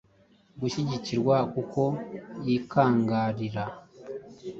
Gushyigikirwa kuko yikangarira.